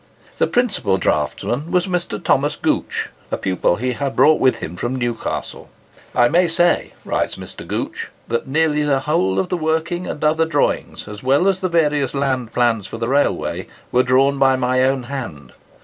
The principal draughtsman was Mr. Thomas Gooch, a pupil he had brought with him from Newcastle. "I may say," writes Mr. Gooch, "that nearly the whole of the working and other drawings, as well as the various land plans for the railway, were drawn by my own hand.